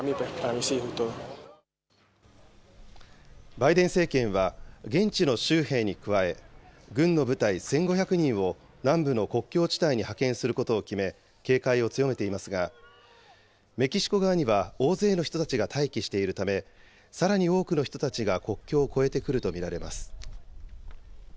バイデン政権は、現地の州兵に加え、軍の部隊１５００人を南部の国境地帯に派遣することを決め、警戒を強めていますが、メキシコ側には大勢の人たちが待機しているため、さらに多くの人たちが国境を越えてくると見られます。